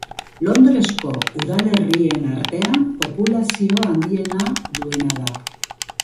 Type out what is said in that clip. Londresko udalerrien artean populazio handiena duena da.